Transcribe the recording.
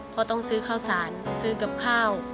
เพราะต้องซื้อข้าวสารซื้อกับข้าว